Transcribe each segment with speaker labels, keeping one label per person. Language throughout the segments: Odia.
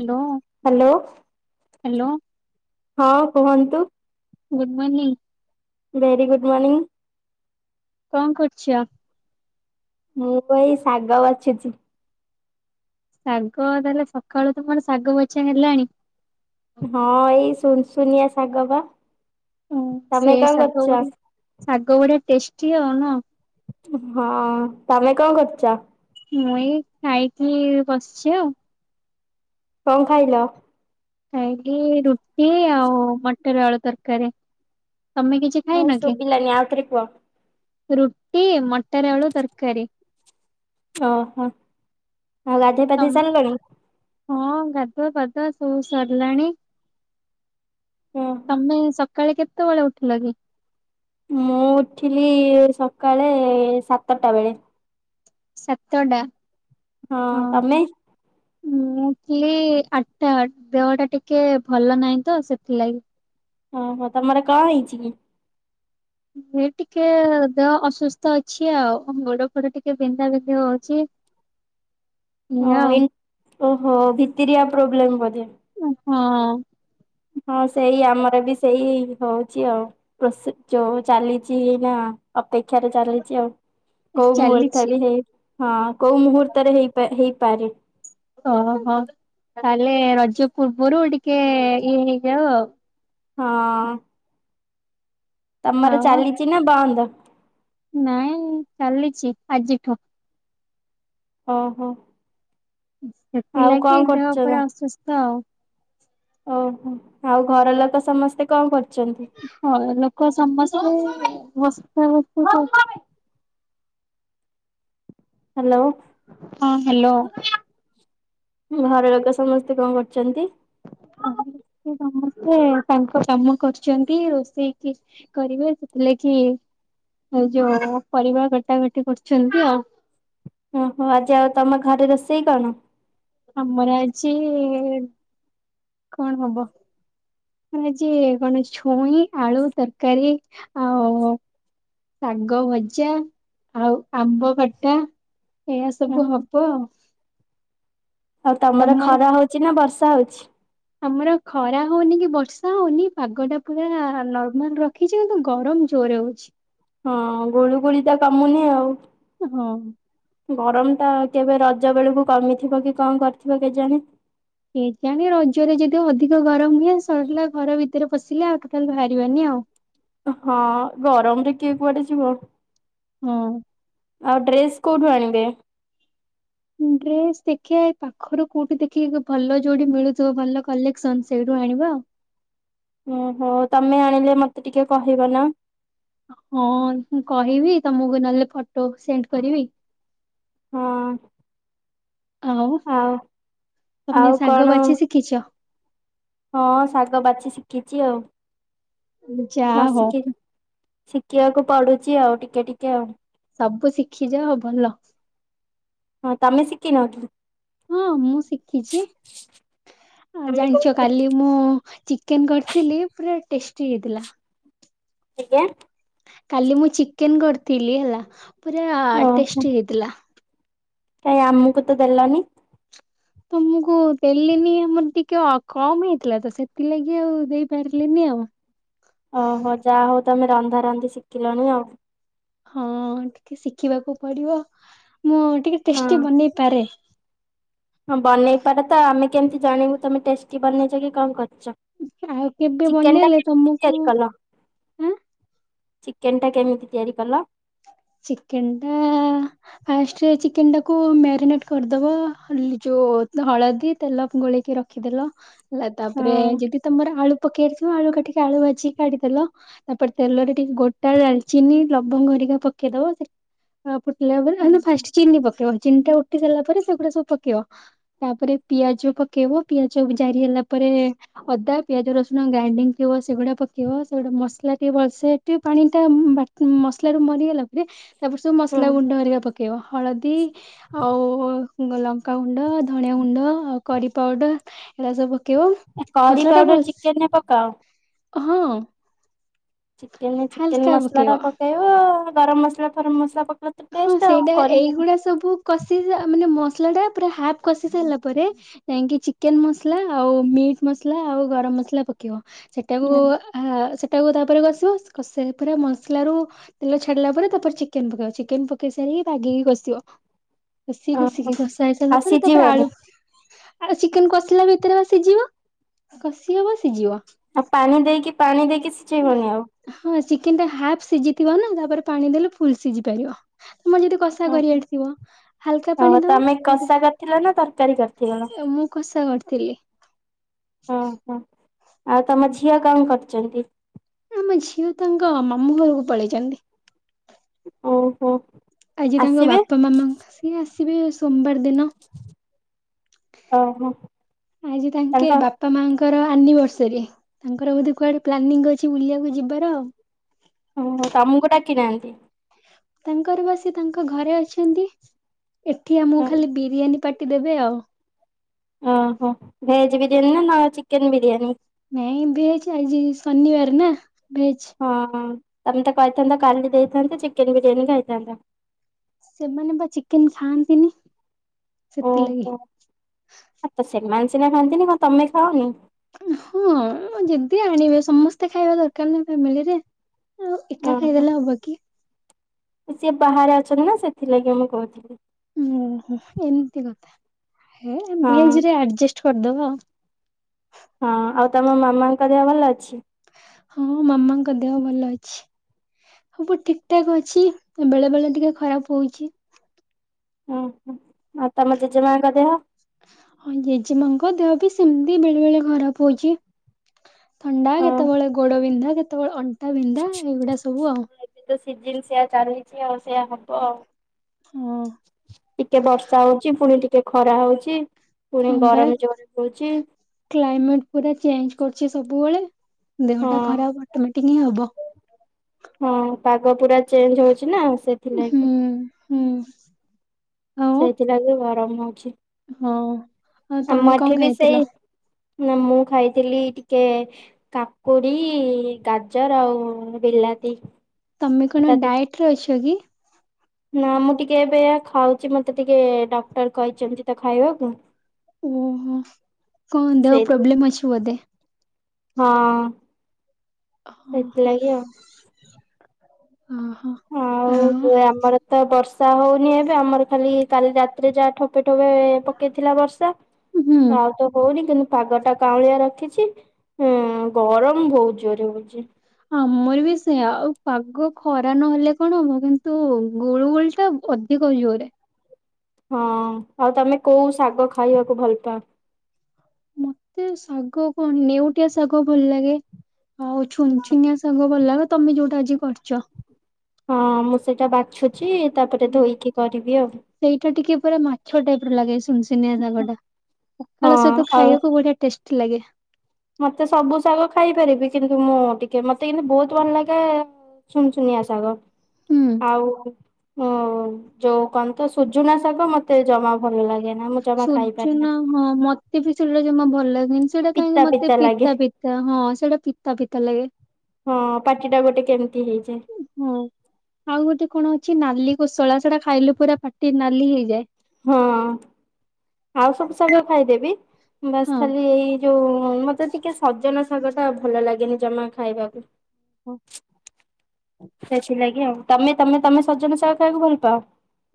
Speaker 1: ହ୍ୟାଲୋ।
Speaker 2: ହ୍ୟାଲୋ।
Speaker 1: ହ୍ୟାଲୋ।
Speaker 2: ହଁ କୁହନ୍ତୁ।
Speaker 1: Good morning.
Speaker 2: Very good morning.
Speaker 1: କଁ କରୁଚ?
Speaker 2: ମୁଁ ଏଇ ଶାଗ ବାଛୁଚି।
Speaker 1: ଶାଗ ତାହେଲେ ସକାଳୁ ତ କଣ ଶାଗ ବଛା ହେଲାଣି।
Speaker 2: ହଁ ଏଇ ସୁନ ସୁୁନିଆ ଶାଗ ବା
Speaker 1: ଓ ସେ
Speaker 2: ତମେ କଣ
Speaker 1: ଶାଗ ବଢି
Speaker 2: କରୁଛ?
Speaker 1: ଶାଗ ବଢ଼ିଆ ଟେଷ୍ଟି ଆଉ ନୁହଁ।
Speaker 2: ହଁ ତମେ କଣ କରୁଛ?
Speaker 1: ମୁଁ ଏଇ ଖାଇକି ବସିଛି ଆଉ।
Speaker 2: କଁ ଖାଇଲ?
Speaker 1: ଖାଇଲି ରୁଟି ଆଉ ମଟର ଆଳୁ ତରକାରୀ। ତମେ କିଛି
Speaker 2: ହଁ
Speaker 1: ଖାଇନ କି?
Speaker 2: ଶୁଭିଲାନି ଆଉଥରେ କୁହ
Speaker 1: ରୁଟି ମଟର ଆଳୁ ତରକାରୀ।
Speaker 2: ଓହୋ ଆଉ ଗାଧୋଇ ପାାଧେଇ
Speaker 1: ତମ
Speaker 2: ସାଲଲଣି?
Speaker 1: ହଁ ଗାଧୁଆ ପାଧୁଆ ସବୁ ସରିଲାଣି।
Speaker 2: ଓହୋ
Speaker 1: ତମେ ସକାଳେ କେତେବେଳେ ଉଠିଲ କି?
Speaker 2: ମୁଁ ଉଠିଲି ସକାଳେ ସାତଟା ବେଳେ।
Speaker 1: ସତଡ଼ା।
Speaker 2: ହଁ ତମେ?
Speaker 1: ମୁଁ ଉଠିଲି ଆଟା ଦେହ ଟା ଟିକେ ଭଲ ନାହିଁ ତ ସେଥିଲାଗି।
Speaker 2: ଓହୋ ତମର କଣ ହେଇଛି କି?
Speaker 1: ହେ ଟିକେ ଦେହ ଅସୁସ୍ଥ ଅଛି ଆଉ ଗୋଡ ଫୋଡ ଟିକେ ବିନ୍ଧା ବିନ୍ଧି ହଉଛି।
Speaker 2: ଓ
Speaker 1: ଏଇଆ
Speaker 2: ଏ
Speaker 1: ଆଉ
Speaker 2: ଓହୋ ଭିତତିଆ ପ୍ରୋବ୍ଲେମ୍ ବୋଧେ।
Speaker 1: ହଁ।
Speaker 2: ହଁ ସେଇ ଆମର ବି ସେଇ ହଉଛି ଆଉ। ପ୍ର ଯୋଉ ଚାଲିଛି ନା ଅପେକ୍ଷାରେ ଚାଲିଛି ଆଉ କୋଉ ମୁହୂର୍ତ୍ତ
Speaker 1: ଚାଲିଛି
Speaker 2: ବି ହେଇ ହଁ କୋଉ ମୁହୂର୍ତ୍ତରେ ହେଇ ହେଇପାରେ।
Speaker 1: ଓହୋ ତାହେଲେ ରଜ ପୂର୍ବରୁ ଟିକେ ଇଏ ହେଇଯାଉ ଆଉ।
Speaker 2: ହଁ। ତମର
Speaker 1: ଆଉ ଆଉ
Speaker 2: ଚାଲିଛି ନା ବନ୍ଦ?
Speaker 1: ନାଇଁ ଚାଲିଚି ଆଜିଠୁ।
Speaker 2: ଓହୋ। ଆଉ କଣ
Speaker 1: ସେଥିଲାଗି ଦେହ
Speaker 2: କରୁଛ ନା?
Speaker 1: ପୁରା ଅସୁସ୍ଥ ଆଉ।
Speaker 2: ଓହୋ ଆଉ ଘର ଲୋକ ସମସ୍ତେ କଣ କରୁଛନ୍ତି?
Speaker 1: ହଁ ଲୋକ ସମସ୍ତେ ବସ୍ ସାଆ
Speaker 2: ହ୍ୟାଲୋ।
Speaker 1: ହଁ ହ୍ୟାଲୋ।
Speaker 2: ଘର ଲୋକ ସମସ୍ତେ କଣ କରୁଛନ୍ତି?
Speaker 1: ସମସ୍ତେ ତାଙ୍କ କାମ କରୁଛନ୍ତି, ରୋଷେଇକି କରିବେ ସେଥିଲାଗି ଯୋଉ ପରିବା କଟା କଟି କରୁଛନ୍ତି ଆଉ।
Speaker 2: ଓହୋ ଆଜି ଆଉ ତମ ଘରେ ରୋଷେଇ କଣ?
Speaker 1: ଆମର ଆଜି କଣ ହବ। ଆଜି କଣ ଛୁଇଁ ଆଳୁ ତରକାରୀ ଆଉ ଶାଗ ଭଜା ଆଉ ଆମ୍ବ ଖଟା। ଏଇୟା ସବୁ
Speaker 2: ଓହୋ
Speaker 1: ହବ।
Speaker 2: ଆଉ ତମର ଖରା ହଉଛି ନା ବର୍ଷା ହଉଛି?
Speaker 1: ଆମର ଖରା ହଉନି କି ବର୍ଷା ହଉନି ପାଗ ଟା ପୁରା ନର୍ମାଲ ର ଖିଛି କିନ୍ତୁ ଗରମ ଜୋରେ ହଉଛି।
Speaker 2: ହଁ ଗୁଳୁ ଗୁଳି ଟା କମୁନି ଆଉ।
Speaker 1: ହଁ।
Speaker 2: ଗରମ ଟା କେବେ ରଜ ବେଳକୁ କମିଥିବ କି କଣ କରିଥିବ କେଜାଣି।
Speaker 1: କେଜାଣି ରଜରେ ଯଦି ଅଧିକ ଗରମ ହୁଏ ସରିଲା ଘର ଭିତରେ ପଶିଲେ ଆଉ। ତାହେଲେ ବାହାରିବାନି ଆଉ।
Speaker 2: ହଁ ଗରମ ରେ କିଏ କୁଆଡ଼େ ଯିବ।
Speaker 1: ହଁ।
Speaker 2: ଆଉ ଡ୍ରେସ୍ କୋଉଠୁ ଆଣିବେ?
Speaker 1: ଡ୍ରେସ୍ ଦେଖିବା ଏଇ ପାଖରୁ କୋଉଠି ଦେଖିକି ଭଲ ଯୋଉଠି ମିଳୁଥିବ ଭଲ କଲେକ୍ସନ୍ ସେଇଠୁ ଆଣିବା ଆଉ।
Speaker 2: ଓ ହୋ ତମେ ଆଣିଲେ ମତେ ଟିକେ କହିବ ନା।
Speaker 1: ହଁ ମୁଁ କହିବି ତମକୁ ନହେଲେ ଫଟୋ ସେଣ୍ଡ୍ କରିବି।
Speaker 2: ହଁ।
Speaker 1: ଆଉ
Speaker 2: ଆଉ
Speaker 1: ତମେ ଶାଗ
Speaker 2: କଣ
Speaker 1: ବାଛି ଶିଖିଛ?
Speaker 2: ହଁ ଶାଗ ବାଛି ଶିଖିଛି ଆଉ।
Speaker 1: ଯା
Speaker 2: ନ
Speaker 1: ହଉ
Speaker 2: ଶିଖି ଶିଖିବାକୁ ପଡୁଛି ଆଉ ଟିକେ ଟିକେ ଆଉ।
Speaker 1: ସବୁ ଶିଖିଯାଅ ଭଲ।
Speaker 2: ହଁ ତମେ ଶିଖିନ?
Speaker 1: ହଁ ମୁଁ ଶିଖିଛି ଆ
Speaker 2: ତମେ କୋଉ
Speaker 1: ଜାଣିଛ
Speaker 2: ଶାଗ ବାଛୁଛ?
Speaker 1: କାଲି ମୁଁ ଚିକେନ୍ କରିଥିଲି ପୁରା ଟେଷ୍ଟି ହେଇଥିଲା।
Speaker 2: ଆଜ୍ଞା।
Speaker 1: କାଲି ମୁଁ ଚିକେନ୍ କରିଥିଲି ହେଲା ପୁରା
Speaker 2: ଓହୋ
Speaker 1: ଟେଷ୍ଟି ହେଇଥିଲା।
Speaker 2: କାଇଁ ଆମକୁ ତ ଦେଲନି।
Speaker 1: ତମକୁ ଦେଲିନି ଆମର ଟିକେ କମ୍ ହେଇଥିଲା ତ ସେଥିଲାଗି ଆଉ ଦେଇପାରିଲିନି ଆଉ।
Speaker 2: ଓ ହୋ ଯାହା ହଉ ତମେ ରନ୍ଧା ରନ୍ଧି ଶିଖିଲଣି ଆଉ।
Speaker 1: ହଁ ଟିକେ ଶିଖିବାକୁ ପଡ଼ିବ ମୁଁ ଟିକେ
Speaker 2: ହଁ।
Speaker 1: ଟେଷ୍ଟି ବନେଇ ପାରେ।
Speaker 2: ହଁ ବନେଇ ପାର ତ ଆମେ କେମିତି ଜାଣିବୁ ତମେ ଟେଷ୍ଟି ବନେଇଛ କି କଣ କରିଛ।
Speaker 1: ଆଉ କେବେ
Speaker 2: ଚିକେନ୍ ଟା
Speaker 1: ବନେଇଲେ
Speaker 2: କେମିତି
Speaker 1: ତମକୁ
Speaker 2: ତିଆରି କଲ?
Speaker 1: ଆଁ
Speaker 2: ଚିକେନ୍ ଟା କେମିତି ତିଆରି କଲ?
Speaker 1: ଚିକେନ୍ ଟା ଫାଷ୍ଟ୍ ରେ ଚିକେନ୍ ଟାକୁ ମ୍ୟାରିନେଟ୍ କରିଦବ ଯୋଉ ହଳଦୀ ତେଲ ଗୋଳେଇକି ର ରଖିଦେଲ ହେଲା ତାପରେ
Speaker 2: ହଁ।
Speaker 1: ଯଦି ତମର ଆଳୁ ପକେଇ ଆଳୁ କାଟିକି ଆଳୁ ଭାଜିକି କାଢ଼ି ଦେଲ ତାପରେ ତେଲରେ ଟିକେ ଗୋଟା ଡାଲଚିନି ଲବଙ୍ଗ ହେରିକା ପ ପକେଇଦେବ ଫୁଟିଲା ତାପରେ ଫାଷ୍ଟ୍ ଚିନି ପକେଇବ। ଚିନି ଟା ଉଠି ସାରିଲା ପରେ ସେଗୁଡା଼ ସବୁ ପକେଇବ। ତାପରେ ପିଆଜ ପକେଇବ ପିଆଜ ଜାରି ହେଲା ପରେ ଅଦା, ପିଆଜ, ରସୁଣ ଗ୍ରାଇଣ୍ଡିଙ୍ଗ୍ ଥିବ ସେଗୁଡା଼ ପକେଇବ ସେଗୁଡା଼ ମସଲା ଟିକେ ଭଲସେ ସେ ପାଣି ଟା ବା ମସଲା ରୁ ମରିଗଲା ପରେ ତାପରେ ସବୁ ମସଲା
Speaker 2: ହୁଁ
Speaker 1: ଗୁଣ୍ଡ ହେରିକା ପ ପକେଇବ ହଳଦୀ ଆଉ ଲଙ୍କାଗୁଣ୍ଡ, ଧଣିଆ ଗୁଣ୍ଡ ଆଉ କରୀ ପାଉଡ଼ର। ଏରା ସବୁ ପକେଇବ
Speaker 2: କରି
Speaker 1: ମସଲା ଟା
Speaker 2: ପାଉଡର
Speaker 1: ଭଲ ‌ସେ
Speaker 2: ଚିକେନ ରେ ପକାଅ।
Speaker 1: ହଁ।
Speaker 2: ଚିକେନ୍ ଚିକେନ୍ ମସଲା ଟା ପକେଇବ ଗରମ ମସଲା ଫରମ ମସଲା ପକେ
Speaker 1: ହଁ ସେଇଟା ଏଇଗୁଡା଼ ସବୁ କଷି ମାନେ ମସଲା ଟା ପୁରା ହାଫ୍ କଷି ସାରିଲା ପରେ ଯାଇଁକି ଚିକେନ୍ ମସଲା ଆଉ ମିଟ୍ ମସଲା ଆଉ ଗରମ ମସଲା ପକେଇବ ସେଟାକୁ ଆ ସେଟାକୁ ତାପରେ କଷିବ କଷେଇ ପୁରା ମସଲାରୁ ତେଲ ଛାଡ଼ିଲା ପରେ ତାପରେ ଚିକେନ୍ ପକେଇବେ ଚି ଚିକେନ୍ ପକେଇ ସାରି ବାଗେଇକି କଷିବ। ଘୁଷି ଘୁଷିକି
Speaker 2: ଓହୋ
Speaker 1: ଘଷା ହେଇସାରିଲା
Speaker 2: ଆଉ
Speaker 1: ପରେ ତାପରେ
Speaker 2: ସିଝିବନି
Speaker 1: ଆଳୁ [unintelligible] ଚିକେନ୍ କଷିଲା ଭିତରେ ବା ସିଝିବ କଷି ହବ ସିଝିବ।
Speaker 2: ଆଉ ପାଣି ଦେଇକି ପାଣି ଦେଇକି ସିଝେଇବନି ଆଉ?
Speaker 1: ହଁ ଚିକେନ୍ ଟା ହାଫ୍ ସିଝିଥିବ ନା ତାପରେ ପାଣି ଦେଲେ ଫୁଲ୍ ସିଝି ପାରିବ ତମେ ଯଦି କଷା କରିବାରଥିବ ହାଲକା
Speaker 2: ଓହୋ
Speaker 1: ପାଣି ଦବ
Speaker 2: ତମେ
Speaker 1: ଯଦି
Speaker 2: କଷା କରିଥିଲ ନା ତରକାରୀ କରିଥିଲ?
Speaker 1: ଏ ମୁଁ କଷା କରିଥିଲି।
Speaker 2: ଓ ହୋ ଆଉ ତମ ଝିଅ କଣ କରୁଛନ୍ତି?
Speaker 1: ଆମ ଝିଅ ତାଙ୍କ ମାମୁଁ ଘରକୁ ପଳେଇଛନ୍ତି।
Speaker 2: ଓହୋ।
Speaker 1: ଆଜି ତାଙ୍କ
Speaker 2: ଆସିବେ
Speaker 1: ବାପା ମାମାଙ୍କ ସିଏ ଆସିବେ ସୋମବାର ଦିନ।
Speaker 2: ଓହୋ
Speaker 1: ଆଜି ତାଙ୍କେ
Speaker 2: ତାଙ୍କ
Speaker 1: ବାପା ମାଆଙ୍କର ଆନିଭର୍ସରୀ ତାଙ୍କର ବୋଧେ କୁଆଡ଼େ ପ୍ଲାନିଂ ଅଛି ବୁଲିବାକୁ ଯିବାର ଆଉ।
Speaker 2: ଓହୋ ତମକୁ ଡ଼ାକି ନାହାଁନ୍ତି?
Speaker 1: ତାଙ୍କର ବା ସିଏ ତାଙ୍କ ଘରେ ଅଛନ୍ତି ଏଠି ଆମକୁ ଖାଲି ବିରିୟାନୀ ପା ପାଟି ଦେବେ ଆଉ।
Speaker 2: ଓହୋ ଭେଜ ବିରିୟାନୀ ନା ନା ଚିକେନ୍ ବିରିୟାନୀ?
Speaker 1: ନାଇଁ ଭେଜ୍ ଆଜି ଶନିବାର ନା ଭେଜ୍।
Speaker 2: ହଁ ତମେ ତ କହିଥାନ୍ତ କାଲି ଦେଇଥାନ୍ତେ ଚିକେନ ବିରିୟାନୀ ଖାଇଥାନ୍ତ।
Speaker 1: ସେମାନେ ବା ଚିକେନ ଖାଆନ୍ତିନି ସେଥିଲାଗି।
Speaker 2: ଓହୋ ଆ ସେମାନେ ସିନା ଖାଆନ୍ତି ନି କଣ ତମେ ଖାଅନି?
Speaker 1: ହଁ ଯଦି ଆଣିବେ ସମସ୍ତେ ଖାଇବା ଦରକାର୍ ନାଁ ଫ୍ୟାମିଲିରେ। ଆଉ ଏକା
Speaker 2: ଓହୋ
Speaker 1: ଖାଇଦେଲେ ହବକି।
Speaker 2: ସିଏ ବାହାରେ ଅଛନ୍ତି ନା ସେଥିଲାଗି ମୁଁ କହୁଥିଲି।
Speaker 1: ଓହୋ ଏମିତି କଥା ହେ
Speaker 2: ହଁ
Speaker 1: ଭେଜ ରେ ଆରଜେଷ୍ଟ୍ କରିଦବା ଆଉ।
Speaker 2: ହଁ ଆଉ ତମ ମାମାଙ୍କ ଦେହ ଭଲ ଅଛି?
Speaker 1: ହଁ ମାମାଙ୍କ ଦେହ ଭଲ ଅଛି। ସବୁ ଠିକ୍ ଠାକ୍ ଅଛି ବେଳେବେଳେ ଟିକେ ଖରାପ୍ ହଉଛି।
Speaker 2: ଉଁ ହୁଁ ଆଉ ତମ ଜେଜେମାଙ୍କ ଦେହ?
Speaker 1: ହଁ ଜେଜେମାଙ୍କ ଦେହ ବି ସେମିତି ବେଳେ ବେଳେ ଖରାପ୍ ହଉଛି। ଥଣ୍ଡା
Speaker 2: ହଁ
Speaker 1: କେତେବେଳେ ଗୋଡ ବିନ୍ଧା କେତେବେଳେ ଅଣ୍ଟା ବିନ୍ଧା ଏଇଗୁଡା ସବୁ ଆଉ।
Speaker 2: ସେ ତ ସିିଜିନ ସେୟା ଚାଲିଛି ଆଉ ସେଇଆ ହବ ଆଉ।
Speaker 1: ହଁ
Speaker 2: ଟିକେ ବର୍ଷା ହଉଛି ପୁଣି ଟିକେ ଖରା ହଉଛି ପୁଣି ଗରମ ଜୋରରେ ବି ହଉଛି।
Speaker 1: କ୍ଲାଇମେଟ୍ ପୁରା ଚେଞ୍ଜ୍ କରୁଛି ସବୁବେଳେ ଦେହଟା
Speaker 2: ହଁ
Speaker 1: ଖରାପ୍ ଅଟୋମେଟିକ୍ ହିଁ ହବ।
Speaker 2: ହଁ ପାଗ ପୁରା ଚେଞ୍ଜ୍ ହଉଛି ନା ସେ
Speaker 1: ହୁଁ ହୁଁ। ଆଉ
Speaker 2: ସେଇଥିଲାଗି ଗରମ ହଉଛି।
Speaker 1: ହଁ ଆଉ
Speaker 2: ଆମ
Speaker 1: ତମେ
Speaker 2: ଏଠି
Speaker 1: କଣ
Speaker 2: ବି ସେଇ
Speaker 1: ଖାଇଥିଲ?
Speaker 2: ନା ମୁଁ ଖାଇଥିଲି ଟିକେ କାକୁଡ଼ି ଗାଜର ଆଉ ବିଲାତି।
Speaker 1: ତମେ କଣ ଡାଏଟ୍ ରେ ଅଛ କି?
Speaker 2: ନାଁ ମୁଁ ଟିକେ ଏବେ ଖାଉଛି ମତେ ଟିକେ ଡାକ୍ଟର କହିଛନ୍ତି ତ ଖାଇବାକୁ।
Speaker 1: ଓହୋ କଣ ଦେହ
Speaker 2: ସେଇଥି
Speaker 1: ପ୍ରୋବ୍ଲେମ୍ ଅଛି ବୋଧେ?
Speaker 2: ହଁ।
Speaker 1: ଓହୋ
Speaker 2: ସେଥିଲାଗି ଆଉ।
Speaker 1: ଓହୋ ଆଉ?
Speaker 2: ଆମର ତ ବର୍ଷା ହଉନି ଏବେ ଆମର ଖାଲି କାଲି ରାତିରେ ଯାହା ଠୋପେ ଠୋପେ ପକେଇଥିଲା ବର୍ଷା
Speaker 1: ହୁଁ
Speaker 2: ଆଉ ତ ହଉନି କିନ୍ତୁ ପାଗ ଟା କାଉଁଳିଆ ରଖିଛି ଉଁ ଗରମ ବହୁତ୍ ଜୋରେ ହଉଛି।
Speaker 1: ଆମର ବି ସେୟା ଆଉ ପାଗ ଖରା ନହେଲେ କଣ ହବ କିନ୍ତୁ ଗୁଳୁ ଗୁଳି ଟା ଅ କି କହୁଛି ଯୋରେ।
Speaker 2: ହଁ ଆଉ ତମେ କୋଉ ଶାଗ ଖାଇବାକୁ ଭଲ ପାଅ?
Speaker 1: ମତେ ଶାଗ କଣ ନେଉଟିଆ ଶାଗ ଭଲ ଲାଗେ। ଆଉ ଛୁନ୍ ଛୁନିଆଁ ସାଗ ଭଲ ଲାଗେ ତମେ ଯୋଉଟା ଆଜି କରିଚ।
Speaker 2: ହଁ ମୁଁ ସେଇଟା ବାଛୁଛି ତାପରେ ଧୋଇକି କରିବି ଆଉ।
Speaker 1: ସେଇଟା ଟିକେ ପୁରା ମାଛ ଟାଇପ୍ ର ଲାଗେ। ଶୁନ୍ ଶୁନିଆ ଶାଗଟା ପଖାଳ
Speaker 2: ହଁ
Speaker 1: ସହିତ
Speaker 2: ଆଉ
Speaker 1: ଖାଇବାକୁ ବଢ଼ିଆ ଟେଷ୍ଟି ଲାଗେ।
Speaker 2: ମତେ ସବୁ ଶାଗ ଖାଇପାରିବି କିନ୍ତୁ ମୁଁ ଟିକେ ମତେ କିନ୍ତୁ ବହୁତ ଭଲ ଲାଗେ ଶୁନୁସୁନିଆ ଶାଗ
Speaker 1: ହୁଁ।
Speaker 2: ଆଉ ହଁ। ଯୋଉ କହନ୍ତ ସୁଜୁନା ଶାଗ ମତେ ଜମା ଭଲ ଲାଗେ ନା ମୁଁ ଜମା ଖାଇପାରେନା।
Speaker 1: ସୁୂଜୁନା ହଁ ମତେ ବି ସେଇଟା ଜମା ଭଲ ଲାଗ ନି ସେଇଟା କାହିଁକି
Speaker 2: ପିତା
Speaker 1: ମତେ
Speaker 2: ଲାଗେ
Speaker 1: ପିତା ପିତା ହଁ ସେଇଟା ପିତା ପିତା ଲାଗେ।
Speaker 2: ହଁ ପାଟି ଟା ଗୋଟେ କେମିତି ହେଇଯାଏ।
Speaker 1: ହଁ ଆଉ ଗୋଟେ କଣ ଅଛି ନାଲି କୋଶଳା ସେଟା ଖାଇଲେ ପୁରା ପାଟି ନାଲି ହେଇଯାଏ।
Speaker 2: ହଁ ଆଉ ସବୁ ଶାଗ ଖାଇଦେବି ବାସ୍
Speaker 1: ହଁ।
Speaker 2: ଖାଲି ଏଇ ଯୋଉ ମତେ ଟିକେ ସଜନ ଶାଗ ଟା ଭଲ ଲାଗେନି ଜମା ଖାଇବାକୁ। ସେଥିଲାଗି ଆଉ ତମେ ତମେ ତମେ ସଜନା ସାଗ ଖାଇବାକୁ ଭଲ ପାଅ?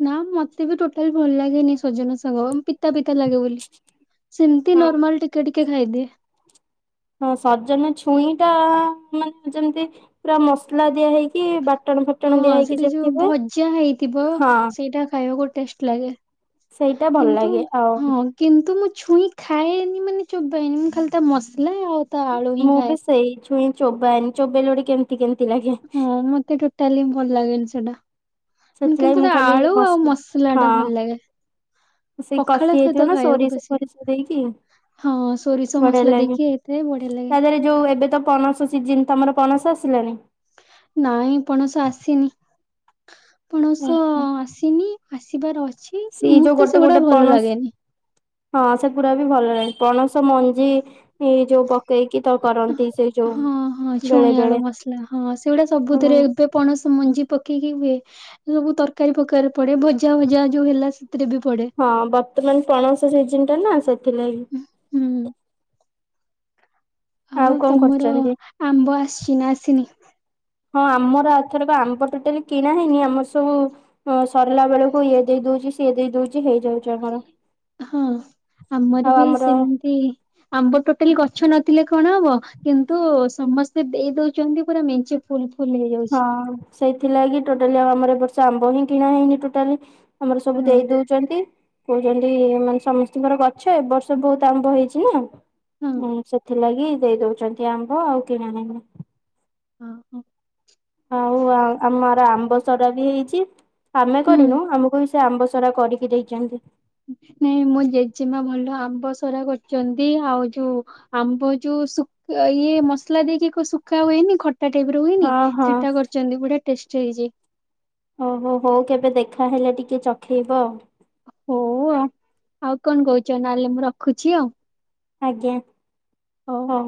Speaker 1: ନା ମତେ ବି ଟୋଟାଲ ଭଲ ଲାଗେନି ସଜନା ଶାଗ ପି ତା ପିତା ଲାଗେ ବୋଲି ସେମିତି
Speaker 2: ହଁ।
Speaker 1: ନର୍ମାଲ ଟିକେ ଟିକେ ଖାଇଦିଏ।
Speaker 2: ହଁ ସଜନ ଛୁଇଁ ଟା ମାନେ ଯେମିତି ପୁରା ମସଲା ଦିଆ ହେଇକି ବା
Speaker 1: ହଁ ସେଠି ଯୋଉ ଭଜା ହେଇଥିବ
Speaker 2: ହଁ।
Speaker 1: ସେଇଟା ଖାଇବାକୁ ଟେଷ୍ଟ ଲାଗେ।
Speaker 2: ସେଇଟା ଭଲ
Speaker 1: କିନ୍ତୁ
Speaker 2: ଲାଗେ ଆଉ
Speaker 1: ହଁ। କିନ୍ତୁ ମୁଁ ଛୁଇଁ ଖାଏନି ମାନେ ଚୋବେଇନି ମୁଁ ଖାଲି ତା ମସଲା ଆଉ ତା ଆଳୁ ହିଁ
Speaker 2: ମୁଁ
Speaker 1: ଖାଏ।
Speaker 2: ବି ସେଇ ଛୁଇଁ ଚୋବାଏନି ଚୋବେଇଲେ ଗଟେ କେମିତି କେମିତି ଲାଗେ।
Speaker 1: ହଁ ମତେ ଗୋଟାଲି ଭଲ ଲାଗେନି ସେଇଟା।
Speaker 2: ସେଥିଲାଗି
Speaker 1: କିନ୍ତୁ
Speaker 2: ମୁଁ
Speaker 1: ତା
Speaker 2: ଖାଲି
Speaker 1: ଆଳୁ
Speaker 2: ମସ
Speaker 1: ଆଉ ମସଲା ଟା ଭଲ ଲାଗେ।
Speaker 2: ସେ
Speaker 1: ପଖାଳ
Speaker 2: କଷି
Speaker 1: ସହିତ
Speaker 2: ହେଇଥିବ ନା
Speaker 1: ଖାଇବାକୁ
Speaker 2: ସୋରିଷ
Speaker 1: ବେଶୀ
Speaker 2: ଫୋରିଷ ଦେଇକି।
Speaker 1: ହଁ ସୋରିଷ
Speaker 2: ବଢିଆ
Speaker 1: ମସଲା
Speaker 2: ଲାଗେ।
Speaker 1: ଦେଇକି ଏଥିରେ ବଢ଼ିଆ ଲାଗେ।
Speaker 2: ତା ଦେହରେ ଯୋଉ ଏବେ ତ ପଣସ ସିିଜିନ ତମର ପଣସ ଆସିଲାଣି?
Speaker 1: ନାଇଁ ପଣସ ଆସିନି
Speaker 2: ହୁଁ
Speaker 1: ପଣସ
Speaker 2: ହୁଁ।
Speaker 1: ଆସିନି। ଆସିବାର ଅଛି
Speaker 2: ସେଇ ଯୋଉ
Speaker 1: ମୁତେ
Speaker 2: ଗୋଟେ
Speaker 1: ସେଗୁଡ଼ା
Speaker 2: ଗୋଟେ
Speaker 1: ଭଲ
Speaker 2: ପଣସ
Speaker 1: ଲାଗେନି।
Speaker 2: ହଁ ସେଗୁଡ଼ା ବି ଭଲ ଲାଗେ ପଣସ ମଞ୍ଜି ଇ ଯୋଉ ତ ଦେଇକି ତ କରନ୍ତି ସେଇ
Speaker 1: ହଁ ହଁ
Speaker 2: ଯୋଉ
Speaker 1: ଛୁଇଁ
Speaker 2: ବେଳେ
Speaker 1: ଆଳୁ
Speaker 2: ବେଳେ
Speaker 1: ମସଲା ହଁ ସେଗୁଡା ସବୁଥିରେ
Speaker 2: ହୁଁ।
Speaker 1: ଏବେ ପଣସ ମଞ୍ଜି ପକେଇକି ହୁଏ। ସବୁ ତରକାରୀ ପକାରିରେ ପଡ଼େ ଭଜା ଭଜା ଯୋଉ ହେଲା ସେଥିରେ ବି ପଡ଼େ।
Speaker 2: ହଁ ବର୍ତ୍ତମାନ ପଣସ ସିଜିନ ଟା ନା ସେଥିଲାଗି।
Speaker 1: ହୁଁ। ଆଉ
Speaker 2: କଣ
Speaker 1: ତମର
Speaker 2: କରୁଛନ୍ତି?
Speaker 1: ଆମ୍ବ ଆସିଛି ନା ଆସିନି?
Speaker 2: ହଁ ଆମର ଆଥରକ ଆମ୍ବ ଟୋଟାଲି କିଣା ହେଇନି ଆମର ସବୁ ସ ସରିଲା ବେଳକୁ ଇଏ ଦେଇ ଦଉଛି ସିଏ ଦେଇ ଦଉଛି ହେଇଯାଉଛି। ଆମର।
Speaker 1: ହଁ ଆମର ବି ସେମତି ଆମ୍ବ ଟୋଟାଲି ଗଛ ନଥିଲେ କଣ ହବ କିନ୍ତୁ ସମସ୍ତେ ଦେଇ ଦଉଛନ୍ତି ପୁରା ମେଞ୍ଚେ ଫୁଲ ଫୁଲ ହେଇଯାଉଛି।
Speaker 2: ହଁ ସେଇଥିଲାଗି ଟୋଟାଲି ଆଉ ଆମର ଏ ବର୍ଷ ଆମ୍ବ ହିଁ କିଣା ହେଇନି ଟୋଟାଲି। ଆମର ସବୁ
Speaker 1: ହଁ
Speaker 2: ଦେଇ ଦଉ ଚନ୍ତି କହୁଛନ୍ତି ଏମାନେ ସମସ୍ତଙ୍କର ଗଛ ଏବ ବର୍ଷ ବହୁତ ଆମ୍ଭ ହେଇଛି ନା
Speaker 1: ହଁ
Speaker 2: ହୁଁ ସେଥିଲାଗି ଦେଇ ଦଉଛନ୍ତି ଆମ୍ବ ଆଉ କିଣା ହେଇନି।
Speaker 1: ହଁ ହଁ।
Speaker 2: ଆଉ ଆମର ଆମ୍ବ ସରା ବି ହେଇଛି ଆମେ
Speaker 1: ହୁଁ।
Speaker 2: କରିନୁ ଆମକୁ ବି ସେ ଆମ୍ବ ସରାା କରିକି ଦେଇଛନ୍ତି।
Speaker 1: ନାଇଁ ମୋ ଜେଜେମା ଭଲ ଆମ୍ବସରା କରୁଛନ୍ତି ଆଉ ଯୋଉ ଆମ୍ବ ଯୋଉ ଶୁଖ୍ ଇଏ ମସଲା ଦେଇକି ଶୁଖା ହୁଏନି? ଖଟ୍- ଟା ଟାଇପ୍ ର ହୁଏନି
Speaker 2: ହଁ ହଁ।
Speaker 1: ସେଇଟା କରିଚନ୍ତି, ବଢ଼ିଆ ଟେଷ୍ଟି ହେଇଚି।
Speaker 2: ଓ ହୋ ହଉ କେବେ ଦେଖାହେଲେ ଟିକେ ଚଖେଇବ ଆଉ।
Speaker 1: ହଉ ଆଉ ଆଉ କଣ କହୁଚ ନହେଲେ ମୁଁ ରଖୁଚି ଆଉ।
Speaker 2: ଆଜ୍ଞା, ହଉ।